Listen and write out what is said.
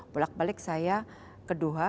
bolak balik saya ke doha